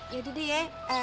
yaudah deh ya